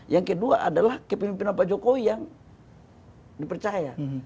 yang kedua adalah kepemimpinan pak jokowi yang dipercaya